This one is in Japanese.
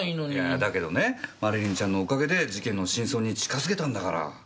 いやだけどねマリリンちゃんのおかげで事件の真相に近づけたんだから。